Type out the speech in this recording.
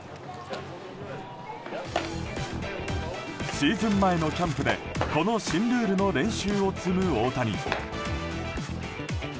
シーズン前のキャンプでこの新ルールの練習を積む大谷。